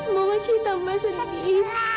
mama ceritamu sedih